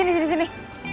ya disini disini